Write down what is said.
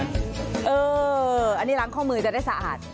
อันนี้ล้างข้อมือจะได้สะอาด